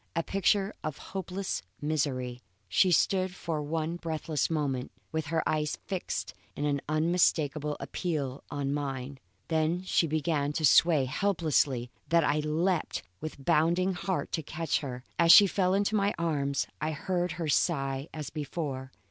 A picture of hopeless misery, she stood for one breathless moment, with her eyes fixed in unmistakable appeal on mine; then she began to sway so helplessly that I leaped with bounding heart to catch her. As she fell into my arms I heard her sigh as before.